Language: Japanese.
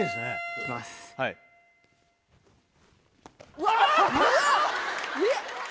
うわ！